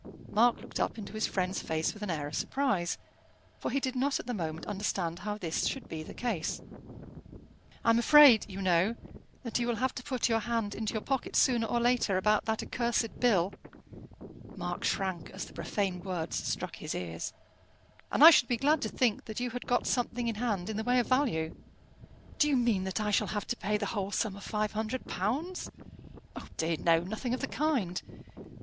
Mark looked up into his friend's face with an air of surprise, for he did not at the moment understand how this should be the case. "I am afraid, you know, that you will have to put your hand into your pocket sooner or later about that accursed bill " Mark shrank as the profane word struck his ears "and I should be glad to think that you had got something in hand in the way of value." "Do you mean that I shall have to pay the whole sum of £500?" "Oh! dear, no; nothing of the kind.